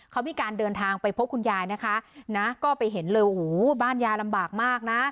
เขามีการเดินทางไปพบคุณยายนะคะนะก็ไปเห็นเลยโอ้โหบ้านยายลำบากมากนะ